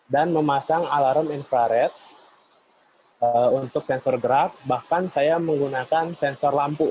dan memasang alarm infrared untuk sensor gerak bahkan saya menggunakan sensor lampu